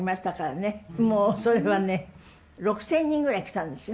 もうそれはね６，０００人ぐらい来たんですよ。